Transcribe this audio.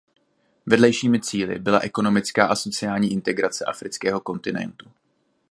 Vedlejšími cíli byla ekonomická a sociální integrace afrického kontinentu.